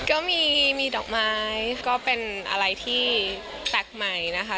ก็มีดอกไม้ก็เป็นอะไรที่แปลกใหม่นะคะ